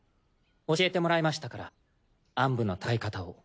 教えてもらいましたから暗部の戦い方を。